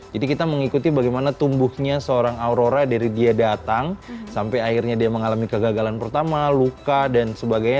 jadi kita mengikuti bagaimana tumbuhnya seorang aurora dari dia datang sampai akhirnya dia mengalami kegagalan pertama luka dan sebagainya